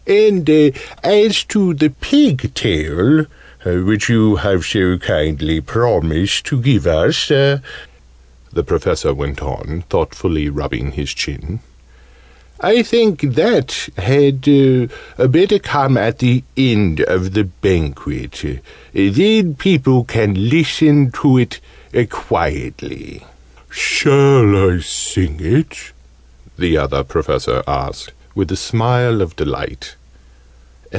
"And as to the 'Pig Tale' which you have so kindly promised to give us " the Professor went on, thoughtfully rubbing his chin. "I think that had better come at the end of the Banquet: then people can listen to it quietly." "Shall I sing it?" the Other Professor asked, with a smile of delight.